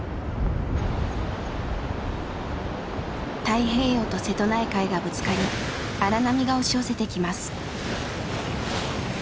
太平洋と瀬戸内海がぶつかり荒波が押し寄せてきます。